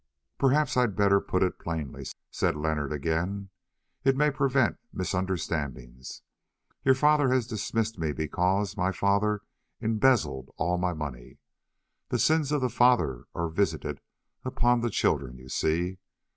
"Perhaps I had better put it plainly," said Leonard again; "it may prevent misunderstandings. Your father has dismissed me because my father embezzled all my money. The sins of the father are visited upon the children, you see.